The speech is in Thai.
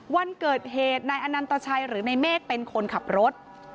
วันเกิดเหตุนายอนันตชัยหรือในเมฆเป็นคนขับรถ